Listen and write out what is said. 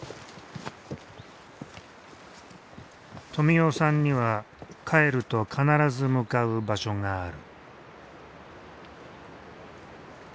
富男さんには帰ると必ず向かう場所がある。